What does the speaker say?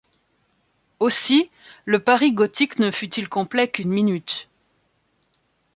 Aussi le Paris gothique ne fut-il complet qu’une minute.